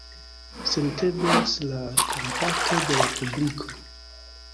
Senteblas la kompato de la publiko.